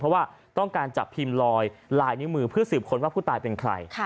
เพราะว่าต้องการจับพิมพ์ลอยลายนิ้วมือเพื่อสืบคนว่าผู้ตายเป็นใคร